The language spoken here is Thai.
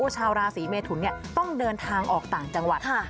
ชาวราศีเมทุนต้องเดินทางออกต่างจังหวัด